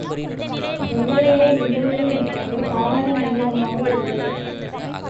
வெள்ளையனே வெளியேறு என்பதே தாரக மந்திரமாக இருந்தது.